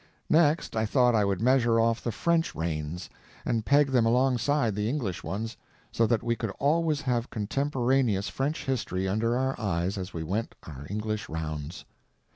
Next I thought I would measure off the French reigns, and peg them alongside the English ones, so that we could always have contemporaneous French history under our eyes as we went our English rounds.